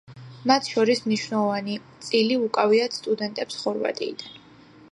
მათ შორის მნიშვნელოვანი წილი უკავიათ სტუდენტებს ხორვატიიდან.